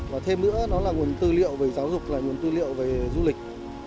và thêm nữa đó là nguồn tư liệu về giáo dục là nguồn tư liệu về du lịch